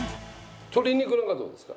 鶏肉なんかどうですか？